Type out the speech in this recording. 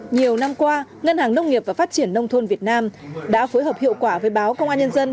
nhiều năm qua ngân hàng nông nghiệp và phát triển nông thôn việt nam đã phối hợp hiệu quả với báo công an nhân dân